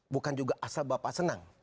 bukan juga asal bapak senang